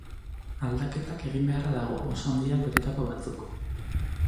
Aldaketak egin beharra dago, oso handiak horietako batzuk.